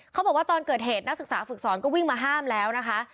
เขาบอกว่าตอนเกิดเหตุนักศึกษาฝึกสอนก็วิ่งมาห้ามแล้วนะคะ